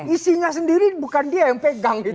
isinya sendiri bukan dia yang pegang